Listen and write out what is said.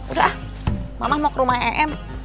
udah mama mau ke rumah em